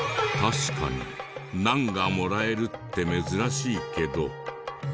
確かにナンがもらえるって珍しいけど。